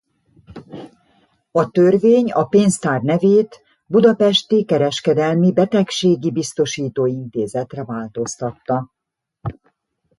A törvény a Pénztár nevét Budapesti Kereskedelmi Betegségi Biztosító Intézetre változtatta.